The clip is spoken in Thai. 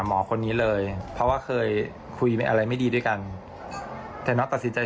หมอคนนี้เลยเพราะว่าเคยคุยอะไรไม่ดีด้วยกันแต่น็อตตัดสินใจ